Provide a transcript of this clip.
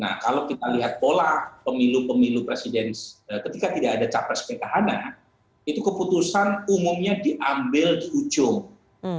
nah kalau kita lihat pola pemilu pemilu presiden ketika tidak ada capres petahana itu keputusan umumnya diambil di ujung